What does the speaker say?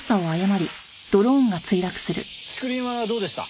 竹林はどうでした？